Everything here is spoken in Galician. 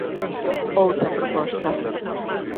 Outra proposta.